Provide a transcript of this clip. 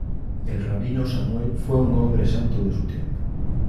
El Rabino Samuel fue un hombre santo de su tiempo.